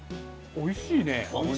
おいしい！